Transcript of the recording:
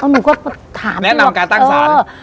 หนูก็ถามแนะนำการตั้งศาล